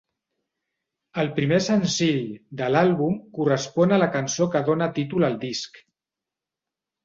El primer senzill de l'àlbum correspon a la cançó que dóna títol al disc.